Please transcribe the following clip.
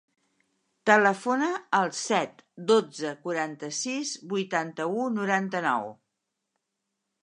Telefona al set, dotze, quaranta-sis, vuitanta-u, noranta-nou.